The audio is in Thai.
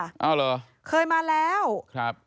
เอาเหรอเคยมาแล้วครับ